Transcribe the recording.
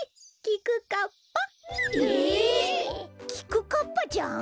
きくかっぱちゃん？